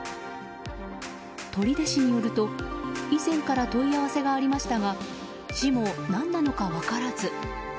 取手市によると以前から問い合わせがありましたが市も何なのか分からず。